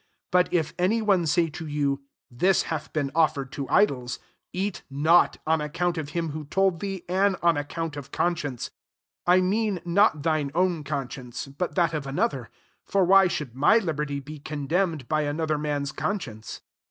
28 But if any one say :o you, " This hath been offered :o idols ;" eat not, on account 3f him who told thee^ and on Kcount of conscience. 29 I fnean not thine own conscience, t)ut that of another : for why should my liberty be condemned by another man's conscience?